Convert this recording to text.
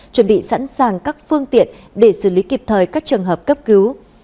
chuẩn bị sẵn sàng các phương tiện để xử lý kịp thời các trường hợp cấp cứu